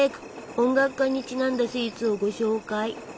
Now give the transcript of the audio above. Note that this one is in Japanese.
音楽家にちなんだスイーツをご紹介！